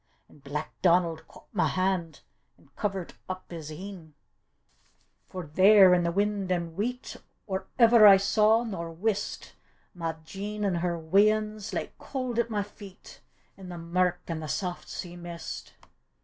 An' Black Donald caught my hand An' coverit up his een: For there, in the wind an' weet, Or ever I saw nor wist, My Jean an' her weans lay cauld at my feet, In the mirk an' the saft sea mist.